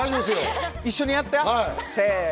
一緒にやって！